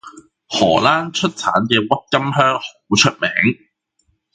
荷蘭出產嘅鬱金香好出名